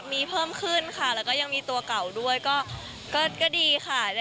มีเพิ่มขึ้นค่ะแล้วก็ยังมีตัวเก่าด้วยก็ดีค่ะ